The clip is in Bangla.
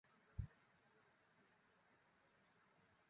বাংলার গ্রামে দুই ভাইবোন অপু আর দুর্গার বেড়ে ওঠা নিয়েই বিখ্যাত এই উপন্যাস।